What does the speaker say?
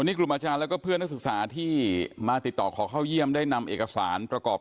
นี่กลุ่มอาจารย์แล้วก็เพื่อนนักศึกษาที่มาติดต่อขอเข้าเยี่ยมได้นำเอกสารประกอบ